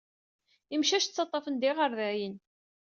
Imcac ttaḍḍafen-d iɣerdayen.